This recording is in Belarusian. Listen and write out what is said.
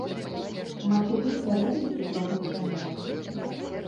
Матылі сярэдніх і дробных памераў.